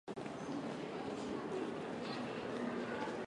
しんどい課題だ